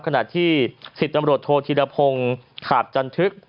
ขณะที่ศิษย์ตำรวจโทษธิระพงขาบจันทึก